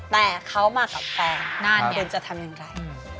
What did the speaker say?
แต่เขามากับแฟนนานเย็นจะทำอย่างไร